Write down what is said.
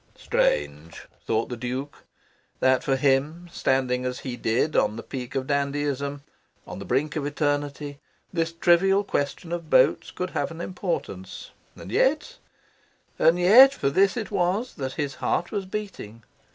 Strange, thought the Duke, that for him, standing as he did on the peak of dandyism, on the brink of eternity, this trivial question of boats could have importance. And yet, and yet, for this it was that his heart was beating.